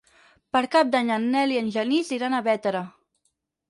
Per Cap d'Any en Nel i en Genís iran a Bétera.